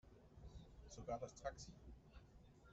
Sogar das Taxi.